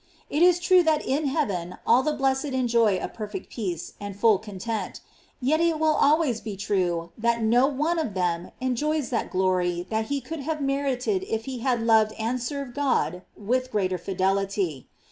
It is true that in heaven all the blessed enjoy a perfect peace and full content; yet it will always be true that no one of them enjoys that glory that he could have merited if he had loved and served God with greater fidelity.